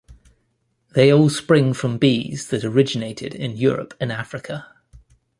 They all spring from bees that originated in Europe and Africa.